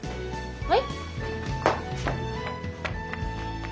はい。